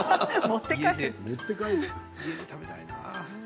家で食べたいな。